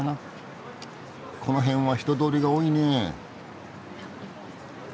この辺は人通りが多いねえ。